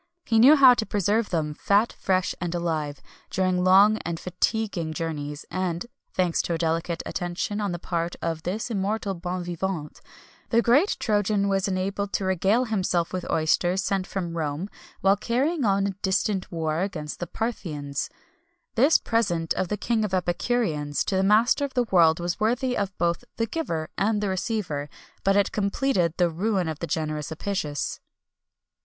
He knew how to preserve them fat, fresh, and alive, during long and fatiguing journeys; and, thanks to a delicate attention on the part of this immortal bon vivant, the great Trajan was enabled to regale himself with oysters sent from Rome while carrying on a distant war against the Parthians.[XXI 234] This present of the king of epicureans to the master of the world was worthy of both the giver and receiver, but it completed the ruin of the generous Apicius.